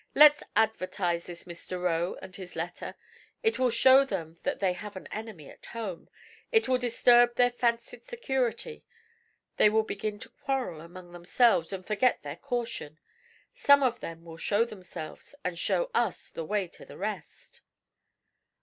Let's advertise this Mr. Roe and his letter; it will show them that they have an enemy at home, it will disturb their fancied security; they will begin to quarrel among themselves and forget their caution. Some of them will show themselves and show us the way to the rest.'